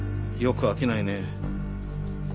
よく飽きないね。